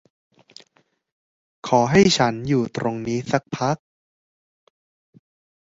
ขอให้ฉันอยู่ตรงนี้สักพัก